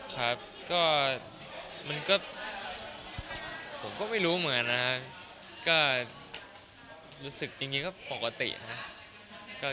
ครับก็มันก็ผมก็ไม่รู้เหมือนกันนะฮะก็รู้สึกจริงก็ปกตินะครับ